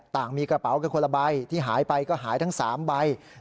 ต่างมีกระเป๋ากันคนละใบที่หายไปก็หายทั้ง๓ใบ